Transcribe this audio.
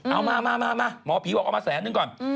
เอามามาหมอผีบอกเอามาแสนนึงก่อน